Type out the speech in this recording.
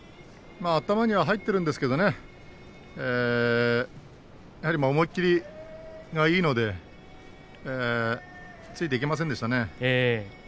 頭には入っているんですがやはり思い切りがいいのでついていけませんでしたね。